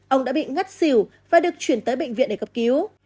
ông đã bị ngất xỉu và được chuyển tới bệnh viện để cấp cứu